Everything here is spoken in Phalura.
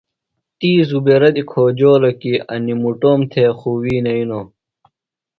تی زبیرہ دی کھوجولوۡ کی انیۡ مُٹوم تھےۡ خُوۡ وی نئینوۡ۔